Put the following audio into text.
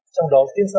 trong đó tiên xa ba